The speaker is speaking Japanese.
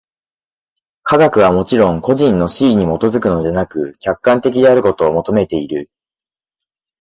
科学はもちろん個人の肆意に基づくのでなく、客観的であることを求めている。